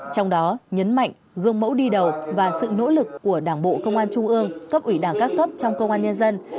trong đó nhấn mạnh gương mẫu đi đầu và sự nỗ lực của đảng bộ công an trung ương cấp ủy đảng các cấp trong công an nhân dân